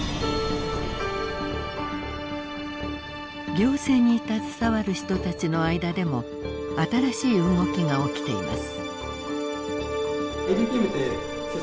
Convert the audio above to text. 行政に携わる人たちの間でも新しい動きが起きています。